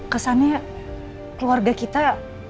kesannya keluarga kita